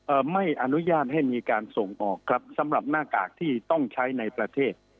ไม่อนุญาตให้มีการส่งออกครับสำหรับหน้ากากที่ต้องใช้ในประเทศ